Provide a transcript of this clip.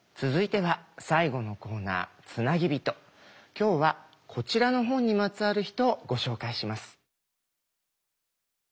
今日はこちらの本にまつわる人をご紹介します。